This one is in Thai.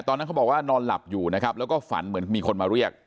ตอนนั้นเขาบอกว่านอนหลับอยู่นะครับแล้วก็ฝันเหมือนมีคนมาเรียก